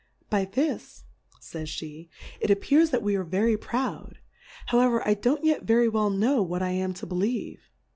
By this, fays fie^ it appears that we are very proud ; however, I don't yet very well know what I am to believe.